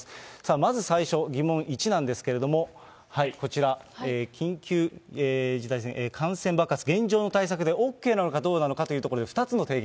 まず最初、疑問１なんですけれども、こちら、感染爆発、現状の対策でＯＫなのかどうなのかというところで、２つの提言